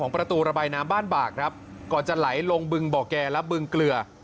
ประตูระบายน้ำบ้านบากครับก่อนจะไหลลงบึงบ่อแก่และบึงเกลือ